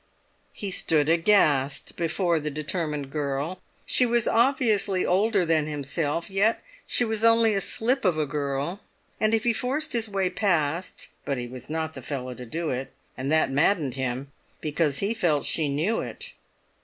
He stood aghast before the determined girl. She was obviously older than himself, yet she was only a slip of a girl, and if he forced his way past—but he was not the fellow to do it—and that maddened him, because he felt she knew it.